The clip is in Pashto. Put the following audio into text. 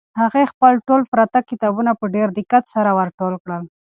هغې خپل ټول پراته کتابونه په ډېر دقت سره ور ټول کړل.